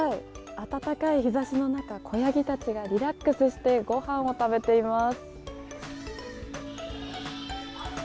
暖かい日差しの中子ヤギたちがリラックスしてごはんを食べています。